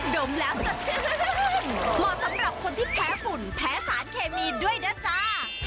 มแล้วสดชื่นเหมาะสำหรับคนที่แพ้ฝุ่นแพ้สารเคมีด้วยนะจ๊ะ